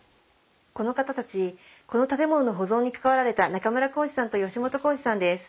この方たちこの建物の保存に関わられた中村興司さんと吉本昂二さんです。